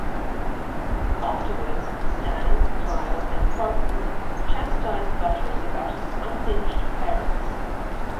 Afterwards, Stan, Kyle and Cartman chastise Butters about his unhinged parents.